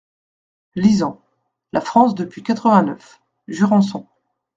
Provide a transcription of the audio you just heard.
Lisant. "La France depuis quatre-vingt-neuf…" Jurançon.